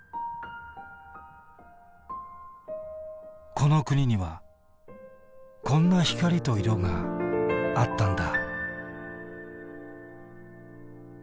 この国にはこんな光と色があったんだ。